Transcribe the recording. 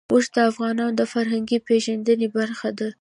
اوښ د افغانانو د فرهنګي پیژندنې برخه ده.